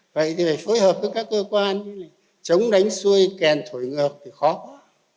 vậy thì phải phối hợp với các cơ quan chống đánh xuôi kèn thổi ngược thì khó quá